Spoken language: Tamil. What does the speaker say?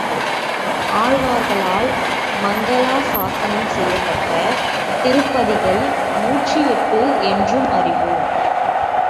ஆழ்வார்களால் மங்களா சாஸனம் செய்யப்பட்ட திருப்பதிகள் நூற்றி எட்டு என்றும் அறிவோம்.